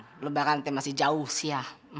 lebah lebahan tante masih jauh siah